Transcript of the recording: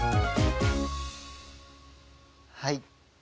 はい。